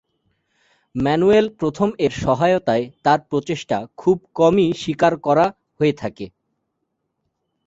Manuel প্রথম-এর সহায়তায় তার প্রচেষ্টা খুব কমই স্বীকার করা হয়ে থাকে।